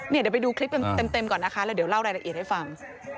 เดี๋ยวไปดูคลิปเต็มก่อนนะคะแล้วเดี๋ยวเล่ารายละเอียดให้ฟัง